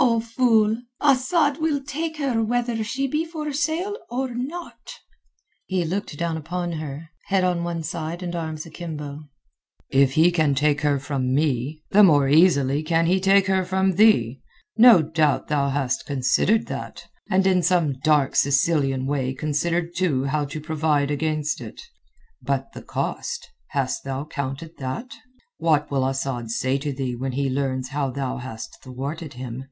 "O fool, Asad will take her whether she be for sale or not." He looked down upon her, head on one side and arms akimbo. "If he can take her from me, the more easily can he take her from thee. No doubt thou hast considered that, and in some dark Sicilian way considered too how to provide against it. But the cost—hast thou counted that? What will Asad say to thee when he learns how thou hast thwarted him?"